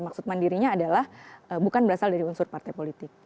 maksud mandirinya adalah bukan berasal dari unsur partai politik